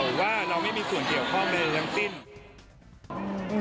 ว่าเราไม่มีส่วนเกี่ยวข้อมันเลย